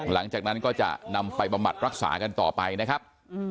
หลังจากนั้นก็จะนำไปบำบัดรักษากันต่อไปนะครับ